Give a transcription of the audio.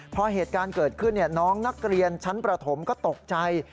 พอเหตุการณ์เกิดขึ้นน้องนักเรียนชั้นประถมก็ตกใจ